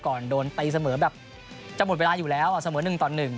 โดนตีเสมอแบบจะหมดเวลาอยู่แล้วเสมอ๑ต่อ๑